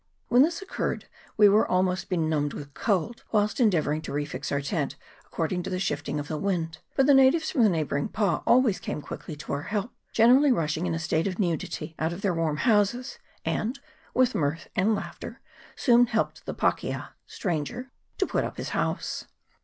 When this occurred we were almost benumbed with cold whilst endeavouring to refix our tent according to the shifting of the wind ; but the natives from the neighbouring pa always came quickly to our help, generally rushing in a state of nudity out of their CHAP. XXIV.] OF THE INTERIOR. 363 warm houses, and, with mirth and laughter, soon helped the pakea (stranger) to put up his house.